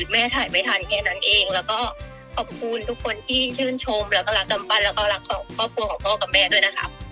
มีใครมีใคร